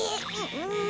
うん。